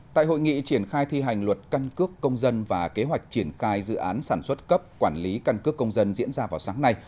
tại hội nghị triển khai thi hành luật căn cước công dân và kế hoạch triển khai dự án sản xuất cấp quản lý căn cước công dân diễn ra vào sáng nay